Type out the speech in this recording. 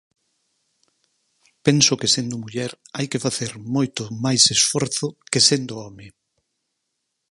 Penso que sendo muller hai que facer moito máis esforzo que sendo home.